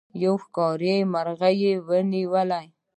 یو ښکاري یو مرغۍ ونیوله.